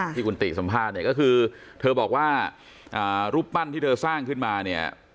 ที่คุณติสัมภาษณ์เนี่ยก็คือเธอบอกว่ารูปปั้นที่เธอสร้างขึ้นมาเนี่ย